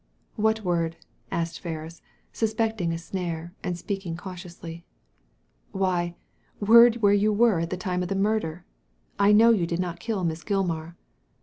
" What word ?" asked Ferris, suspecting a snare, and speaking cautiously. * Why ! word where you were at the time of the murder. I know you did not kill Miss Gilmar."